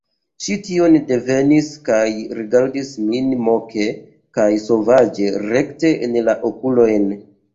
Ŝi tion divenis, kaj rigardis min moke kaj sovaĝe, rekte en la okulojn.